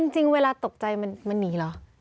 จริงเวลาตกใจมันหนีเหรอ